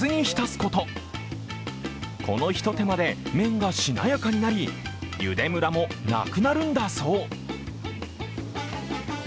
この一手間で麺がしなやかになりゆでむらもなくなるんだそう。